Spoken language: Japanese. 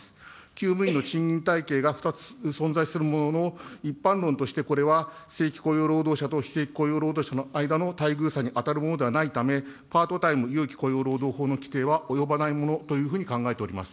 きゅう務員の賃金体系が２つ存在するものの、一般論としてこれは正規雇用労働者と非正規雇用労働者の間の待遇差に当たるものではないため、パートタイム有期雇用労働法の規定は及ばないものというふうに考えております。